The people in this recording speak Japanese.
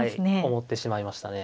思ってしまいましたね。